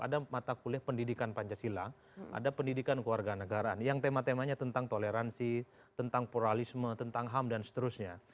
ada mata kuliah pendidikan pancasila ada pendidikan keluarga negaraan yang tema temanya tentang toleransi tentang pluralisme tentang ham dan seterusnya